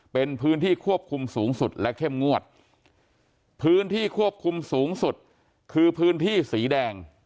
เป็นพื้นที่ควบคุมสูงสุดและเข้มงวดพื้นที่ควบคุมสูงสุดคือพื้นที่สีแดง